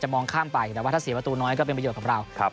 มองข้ามไปแต่ว่าถ้าเสียประตูน้อยก็เป็นประโยชน์กับเรา